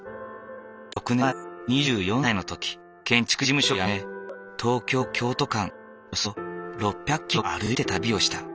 ６年前２４歳の時建築事務所を辞め東京京都間およそ６００キロを歩いて旅をした。